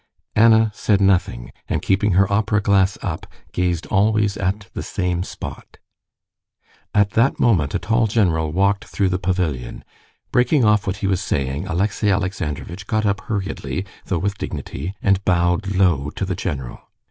Anna said nothing, and keeping her opera glass up, gazed always at the same spot. At that moment a tall general walked through the pavilion. Breaking off what he was saying, Alexey Alexandrovitch got up hurriedly, though with dignity, and bowed low to the general.